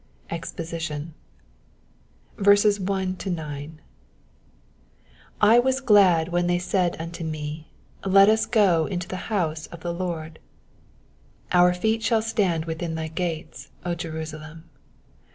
EXPOSITION. I WAS glad when they said unto me, Let us go into the house of the Lord. 2 Our feet shall stand within thy gates, O Jerusalem.